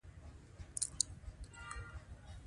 تى غوا لرى كه ګامېښې؟